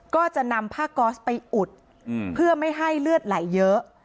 ก็จะนำผ้าก๊อสไปอุดเพื่อไม่ให้เลือดไหลเยอะ